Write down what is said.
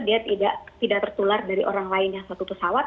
dia tidak tertular dari orang lain yang satu pesawat